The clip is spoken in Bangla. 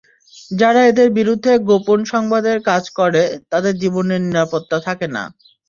যারা এদের বিরুদ্ধে গোপন সংবাদের কাজ করে, তাদের জীবনের নিরাপত্তা থাকে না।